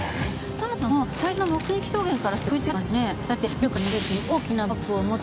そもそも最初の目撃証言からして食い違ってますよね。